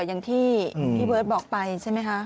อย่างที่พี่เบิร์ตบอกไปใช่ไหมคะ